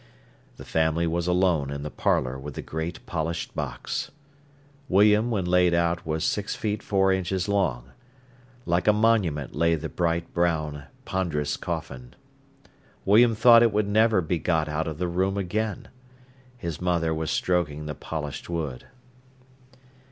The family was alone in the parlour with the great polished box. William, when laid out, was six feet four inches long. Like a monument lay the bright brown, ponderous coffin. Paul thought it would never be got out of the room again. His mother was stroking the polished wood.